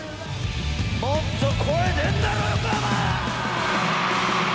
もっと声出んだろう、横浜！